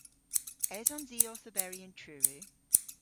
Esons i owth oberi yn Truru?